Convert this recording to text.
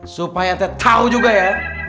supaya ente tau juga ya